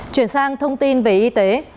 chuyển sang thông tin về y tế